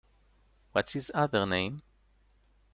What’s his other name?